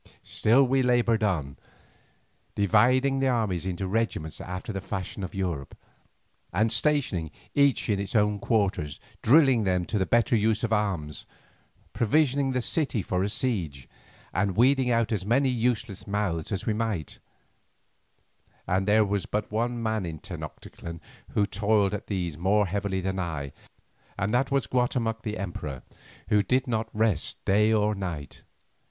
Still we laboured on, dividing the armies into regiments after the fashion of Europe, and stationing each in its own quarter drilling them to the better use of arms, provisioning the city for a siege, and weeding out as many useless mouths as we might; and there was but one man in Tenoctitlan who toiled at these tasks more heavily than I, and that was Guatemoc the emperor, who did not rest day or night.